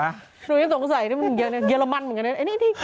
หนูยังสงสัยนี่มันเยอะนะเรมันเหมือนกันนะ